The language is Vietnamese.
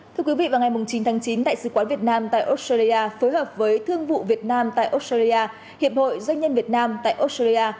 thưa quý vị vào ngày chín tháng chín đại sứ quán việt nam tại australia phối hợp với thương vụ việt nam tại australia hiệp hội doanh nhân việt nam tại australia